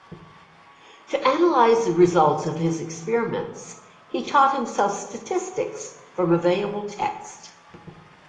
To analyze the results of his experiments, he taught himself statistics from available texts.